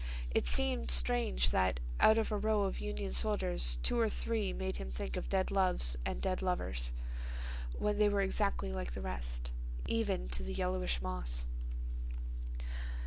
It seemed strange that out of a row of Union soldiers two or three made him think of dead loves and dead lovers, when they were exactly like the rest, even to the yellowish moss.